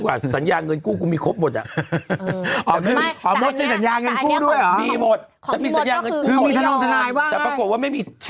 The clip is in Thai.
การนายเสียเงินอีก